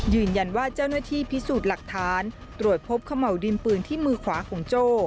เจ้าหน้าที่พิสูจน์หลักฐานตรวจพบขม่าวดินปืนที่มือขวาของโจ้